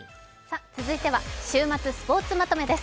続いては「週末スポーツまとめ」です。